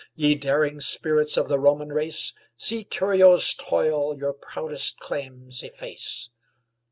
Ye daring spirits of the Roman race, See Curio's toil your proudest claims efface!